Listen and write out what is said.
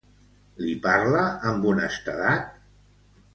Li parla amb honestedat?